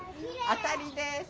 当たりです。